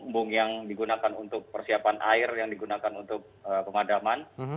bong yang digunakan untuk persiapan air yang digunakan untuk pemadaman